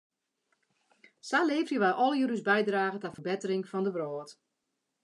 Sa leverje wij allegearre ús bydrage ta ferbettering fan de wrâld.